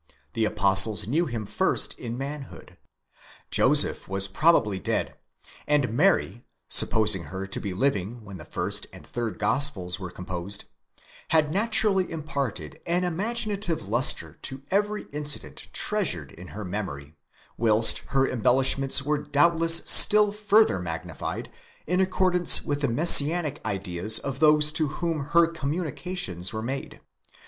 The apostles knew him first in manhood. Joseph was probably dead; and Mary, supposing her to be living when the first and third gospels were composed, had naturally imparted an imagi native lustre to every incident treasured in her memory, whilst her embellish ments were doubtless still further magnified in accordance with the Messianic ideas of those to whom her communications were made.